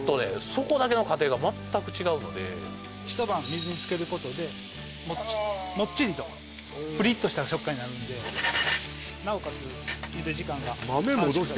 そこだけの過程が全く違うので一晩水につけることでもっちりとプリッとした食感になるんでなおかつゆで時間が短縮されます